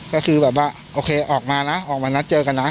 ก็คือแบบว่าโอเคออกมานะออกมานัดเจอกันนะ